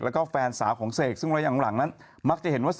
แล้วก็แฟนสาวของเสกซึ่งระยะหลังนั้นมักจะเห็นว่า